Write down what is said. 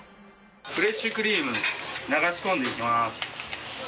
フレッシュクリーム流し込んでいきます。